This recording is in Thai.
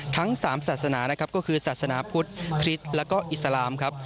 ทั้ง๓ศาสนานะครับก็คือศาสนาพุทธคริสต์แล้วก็อิสลามครับ